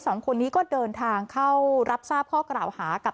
สองคนนี้ก็เดินทางเข้ารับทราบข้อกล่าวหากับ